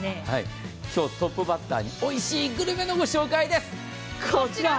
今日、トップバッターにおいしいグルメの御紹介です。